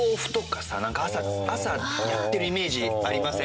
朝やってるイメージありません？